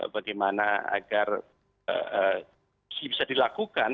bagaimana agar bisa dilakukan